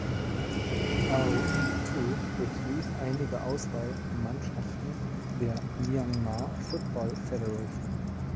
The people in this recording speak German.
Aung Thu durchlief einige Auswahlmannschaften der Myanmar Football Federation.